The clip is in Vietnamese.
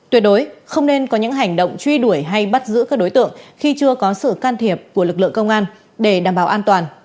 tuyệt đối không nên có những hành động truy đuổi hay bắt giữ các đối tượng khi chưa có sự can thiệp của lực lượng công an để đảm bảo an toàn